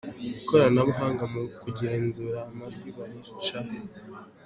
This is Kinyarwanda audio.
Ikoranabuhanga mu kugenzura amajwi barica he?